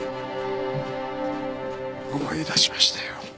思い出しましたよ。